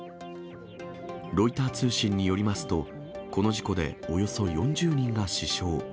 ロイター通信によりますと、この事故で、およそ４０人が死傷。